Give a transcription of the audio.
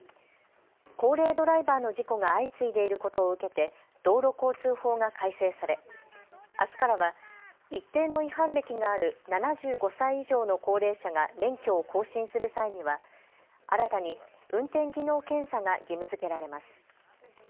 高齢ドライバーの事故が相次いでいることを受けて道路交通法が改正され、あすからは一定の違反歴がある７５歳以上の高齢者が免許を更新する際には新たに運転技能検査が義務づけられます。